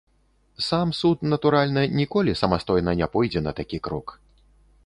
Сам суд, натуральна, ніколі самастойна не пойдзе на такі крок.